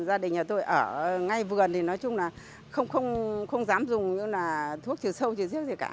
gia đình nhà tôi ở ngay vườn thì nói chung là không dám dùng thuốc chứa sâu chứa riết gì cả